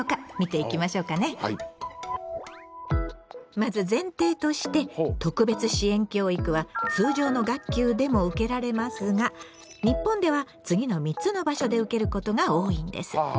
まず前提として特別支援教育は通常の学級でも受けられますが日本では次の３つの場所で受けることが多いんです。